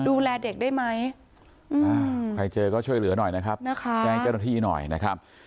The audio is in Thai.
ดูแลเด็กได้ไหมใครเจอก็ช่วยเหลือหน่อยนะครับแจ้งเจ้าหน้าที่หน่อยนะครับ